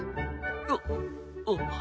あっあっ。